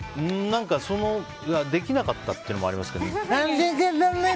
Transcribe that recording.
何か、できなかったってのもありますけどね。